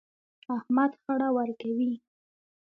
احمد خړه ورکوي.